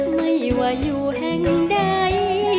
ไม่ว่าอยู่แห่งใด